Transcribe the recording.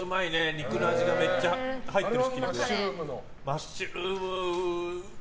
肉の味がめっちゃ入ってる。